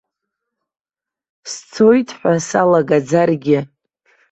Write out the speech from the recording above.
Сцоит ҳәа салагаӡаргьы.